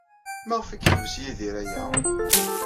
Maɣef ay yeḥbes Yidir aya?